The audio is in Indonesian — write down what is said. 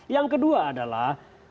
yang kedua adalah